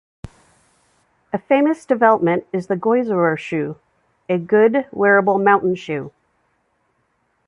A famous development is the "Goiserer Schuh", a good wearable mountain-shoe.